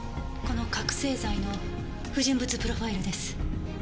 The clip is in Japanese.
この覚せい剤の不純物プロファイルです。